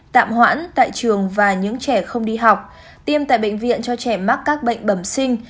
tạm hoãn tại trường và những trẻ không đi học tiêm tại bệnh viện cho trẻ mắc các bệnh bẩm sinh